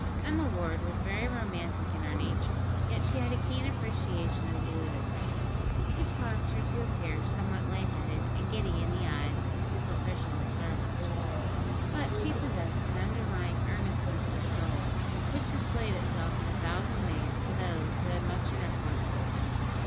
Emma Ward was very romantic in her nature; yet she had a keen appreciation of the ludicrous, which caused her to appear somewhat light headed and giddy in the eyes of superficial observers; but she possessed an underlying earnestness of soul, which displayed itself in a thousand ways to those who had much intercourse with her.